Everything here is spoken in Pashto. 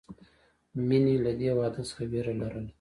مینې له دې واده څخه وېره لرله